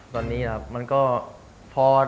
ตอนนี้ครับมันก็พอ